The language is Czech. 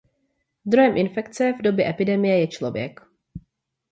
Zdrojem infekce v době epidemie je člověk.